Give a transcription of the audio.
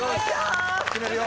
決めるよ！